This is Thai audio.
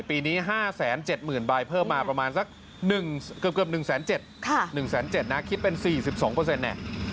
ปีนี้๕๗๐๐๐ใบเพิ่มมาประมาณสักเกือบ๑๗๐๐๑๗๐๐นะคิดเป็น๔๒เนี่ย